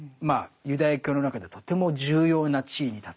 ユダヤ教の中ではとても重要な地位に立つ人ですね。